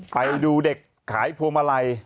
ไปดูเด็กขายพวงมาลัย